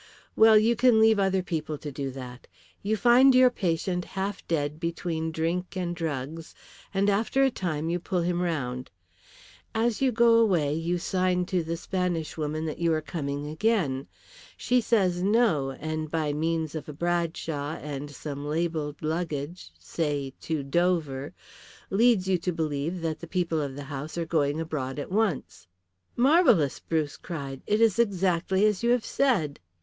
"Well, you can leave other people to do that. You find your patient half dead between drink and drugs, and after a time you pull him round. As you go away you sign to the Spanish woman that you are coming again. She says no, and by means of a Bradshaw and some labelled luggage say to Dover leads you to believe that the people of the house are going abroad at once." "Marvellous!" Bruce cried. "It is exactly as you have said."